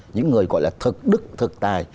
những người gọi là thực đức thực tài